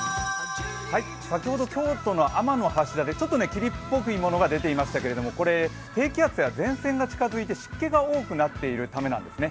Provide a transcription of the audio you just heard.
先ほど京都の天橋立、ちょっと霧っぽいものが出ていましたけれども、これ低気圧や前線が近づいて湿気が多くなっているためなんですね。